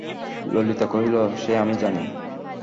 ললিতা কহিল, সে আমি জানি।